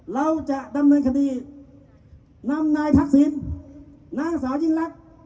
เราจะดำเนินคดีนำนายทักษิณนางสาวยิ่งลักษณ์